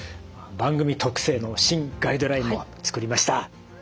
番組特製の新ガイドラインも作りました。